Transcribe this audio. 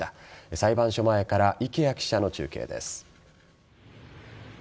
裁判所前から池谷記者の中継です。